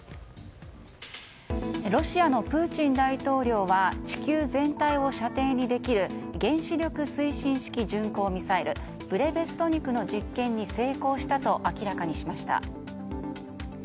ロシアのプーチン大統領は地球全体を射程にできる原子力推進式巡航ミサイルブレベストニクの実験に成功したと明らかにしました。